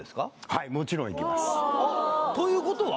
はいもちろん行きますあっということは？